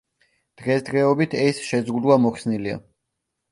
დღესდღეობით ეს შეზღუდვა მოხსნილია.